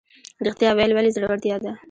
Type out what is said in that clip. ریښتیا ویل ولې زړورتیا ده؟